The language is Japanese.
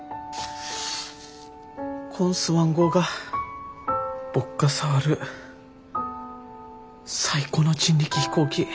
こんスワン号が僕が触る最後の人力飛行機。